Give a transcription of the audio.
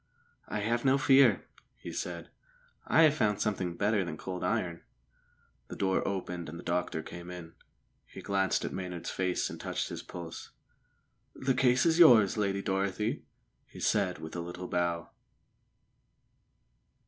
"I have no fear," he said. "I have found something better than cold iron." The door opened and the doctor came in. He glanced at Maynard's face and touched his pulse. "The case is yours, Lady Dorothy!" he said with a little bow.